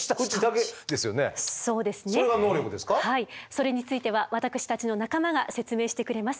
それについては私たちの仲間が説明してくれます。